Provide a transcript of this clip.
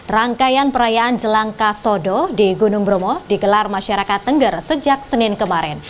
rangkaian perayaan jelang kasodo di gunung bromo digelar masyarakat tengger sejak senin kemarin